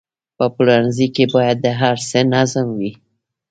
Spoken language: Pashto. په پلورنځي کې باید د هر څه نظم وي.